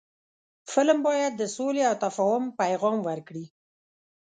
فلم باید د سولې او تفاهم پیغام ورکړي